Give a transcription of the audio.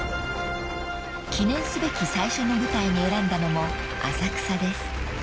［記念すべき最初の舞台に選んだのも浅草です］